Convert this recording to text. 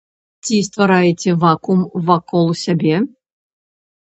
Ці ствараеце вакуум вакол сябе?